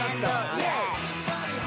イエイ！